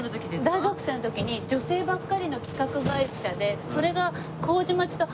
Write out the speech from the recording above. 大学生の時に女性ばっかりの企画会社で。